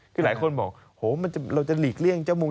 คือหลายคนบอกโหเราจะหลีกเลี่ยงเจ้ามุง